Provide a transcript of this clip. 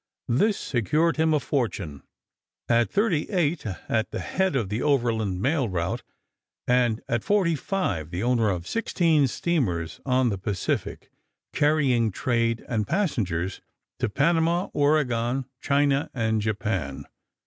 This secured him a fortune. At thirty eight, at the head of the overland mail route, and at forty five, the owner of sixteen steamers on the Pacific, carrying trade and passengers to Panama, Oregon, China, and Japan.